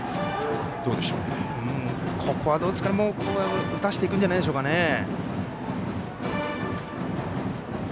ここは打たせていくんじゃないでしょうかね。